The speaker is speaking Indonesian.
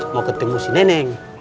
mau ketemu si neneng